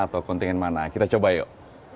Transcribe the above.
atau dari negara mana kita coba yuk